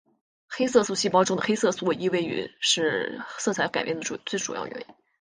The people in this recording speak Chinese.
黑色素细胞中的黑色素易位是色彩改变的最主要原因。